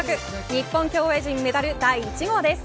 日本競泳陣メダル第１号です。